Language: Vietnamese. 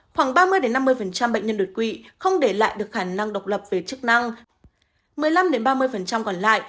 khoảng ba mươi năm mươi bệnh nhân đột quỵ không để lại được khả năng độc lập về chức năng một mươi năm ba mươi còn lại